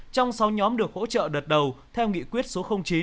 trong sáu nhóm được hỗ trợ đợt đầu theo nghị quyết số chín